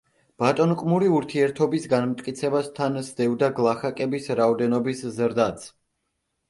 ბატონყმური ურთიერთობის განმტკიცებას თან სდევდა გლახაკების რაოდენობის ზრდაც.